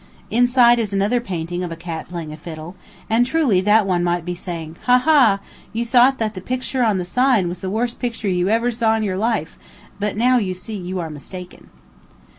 Inside is another painting of a cat playing a fiddle, and truly that one might be saying, "Ha! Ha! You thought that that picture on the sign was the worst picture you ever saw in your life, but now you see how you are mistaken."